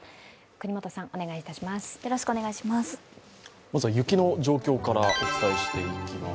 國本さん、お願いいたします。